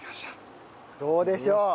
どうでしょう？